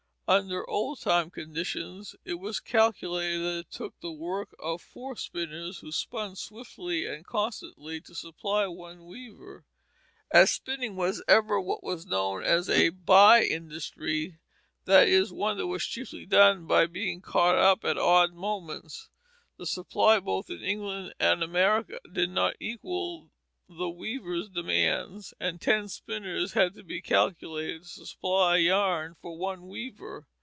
Under old time conditions it was calculated that it took the work of four spinners, who spun swiftly and constantly, to supply one weaver. As spinning was ever what was known as a by industry, that is, one that chiefly was done by being caught up at odd moments, the supply both in England and America did not equal the weavers' demands, and ten spinners had to be calculated to supply yarn for one weaver.